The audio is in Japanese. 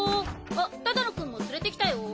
あっ只野くんも連れてきたよ！